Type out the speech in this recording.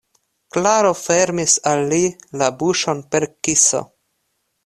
Klaro fermis al li la buŝon per kiso.